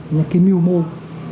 những cái mưu môi